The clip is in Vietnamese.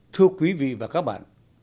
thưa quý vị và các bạn